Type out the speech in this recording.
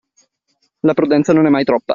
La prudenza non è mai troppa.